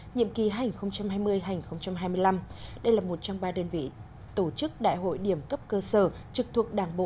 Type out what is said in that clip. nhiệm kỳ hai nghìn hai mươi hai nghìn hai mươi năm đây là một trong ba đơn vị tổ chức đại hội điểm cấp cơ sở trực thuộc đảng bộ